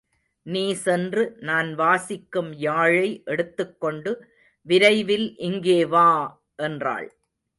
நீ சென்று நான் வாசிக்கும் யாழை எடுத்துக்கொண்டு விரைவில் இங்கே வா! என்றாள்.